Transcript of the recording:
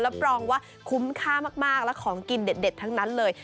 รับรองว่าคุ้มค่ามากและของกินเด็ดทั้งนั้นเลย